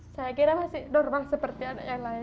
saya kira masih normal seperti anak yang lain